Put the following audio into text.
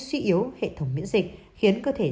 suy yếu hệ thống miễn dịch khiến cơ thể